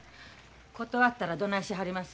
断ったらどないしはります？